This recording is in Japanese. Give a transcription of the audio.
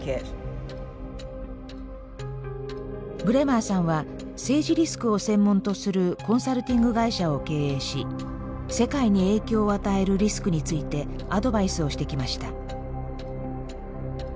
ブレマーさんは政治リスクを専門とするコンサルティング会社を経営し世界に影響を与えるリスクについてアドバイスをしてきました。